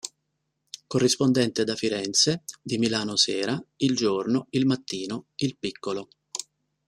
Corrispondente da Firenze di Milano Sera, Il Giorno, Il Mattino, Il Piccolo.